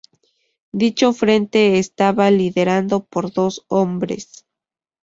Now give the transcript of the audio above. Dicho frente estaba liderado por dos hombres.